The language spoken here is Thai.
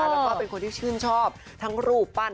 แล้วก็เป็นคนที่ชื่นชอบทั้งรูปปั้น